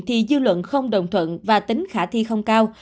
thì dư luận không đồng thuận và tính khả thi không cao